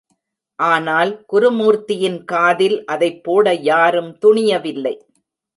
ஆனால், குருமூர்த்தியின் காதில் அதைப் போட யாரும் துணியவில்லை.